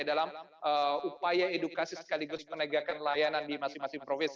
dalam upaya edukasi sekaligus penegakan layanan di masing masing profesi